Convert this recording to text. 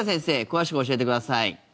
詳しく教えてください。